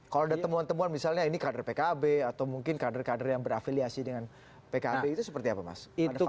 kalau ada temuan temuan misalnya ini kader pkb atau mungkin kader kader yang berafiliasi dengan pkb itu seperti apa mas